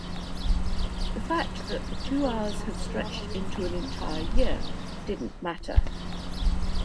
the fact that the two hours had stretched into an entire year didn't matter.